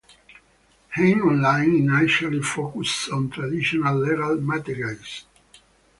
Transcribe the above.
HeinOnline initially focused on traditional legal materials.